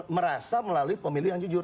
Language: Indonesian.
merasa melalui pemilihan jujur